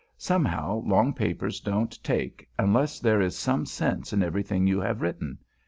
Somehow, long papers don't take, unless there is some sense in everything you have written.